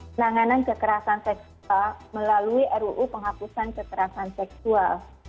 penanganan kekerasan seksual melalui ruu penghapusan kekerasan seksual